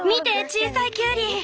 小さいキュウリ。